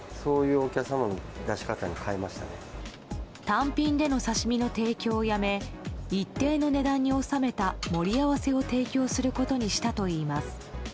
単品での刺し身の提供をやめ一定の値段に抑えた盛り合わせを提供することにしたといいます。